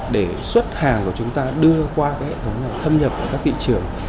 để xuất hàng của chúng ta đưa qua hệ thống này thâm nhập vào các thị trường